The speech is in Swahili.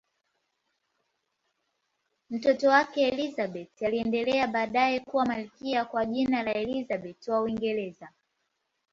Mtoto wake Elizabeth aliendelea baadaye kuwa malkia kwa jina la Elizabeth I wa Uingereza.